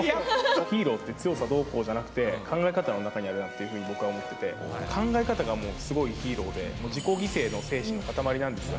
ヒーローって、強さどうこうじゃなくて、考え方の中にあるなというふうに僕は思ってて、考え方がもう、すごいヒーローで、自己犠牲の精神の塊なんですよ。